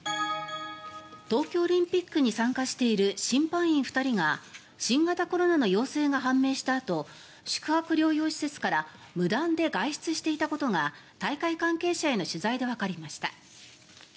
東京オリンピックに参加している審判員２人が新型コロナの陽性が判明したあと宿泊療養施設から無断で外出していたことが大会関係者への取材でわかりました。